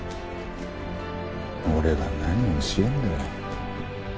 俺が何を教えるんだよ。